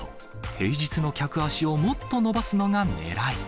平日の客足をもっと伸ばすのがねらい。